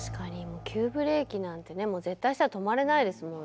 もう急ブレーキなんてね絶対したら止まれないですもんね。